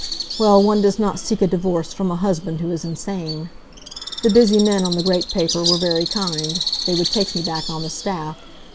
Well, one does not seek a divorce from a husband who is insane. The busy men on the great paper were very kind. They would take me back on the staff.